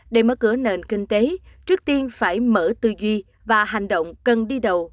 để mở cửa nền kinh tế trước tiên phải mở tư duy và hành động cần đi đầu